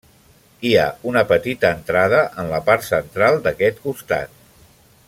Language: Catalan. Hi ha una petita entrada en la part central d'aquest costat.